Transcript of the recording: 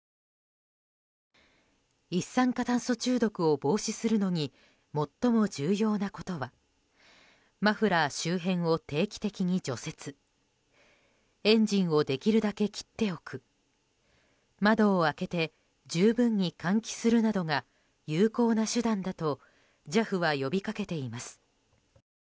一酸化炭素中毒を防止するのに最も重要なことはマフラー周辺を定期的に除雪エンジンをできるだけ切っておく窓を開けて十分に換気するなどが有効な手段だとＪＡＦは呼びかけています。